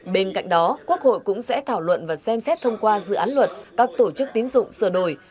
bên cạnh đó quốc hội cũng sẽ thảo luận và xem xét thông qua dự án luật các tổ chức tín dụng sửa đổi